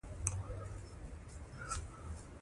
مادي وسایلو له لارې.